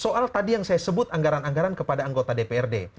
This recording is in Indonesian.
soal tadi yang saya sebut anggaran anggaran kepada anggota dprd